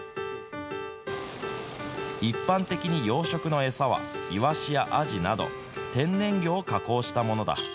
一般的に養殖の餌は、イワシやアジなど、天然魚を加工したものだ。